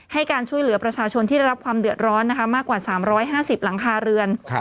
ให้การช่วยเหลือประชาชนที่ได้รับความเดือดร้อนนะคะมากกว่า๓๕๐หลังคาเรือน